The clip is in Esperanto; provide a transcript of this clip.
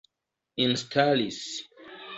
instalis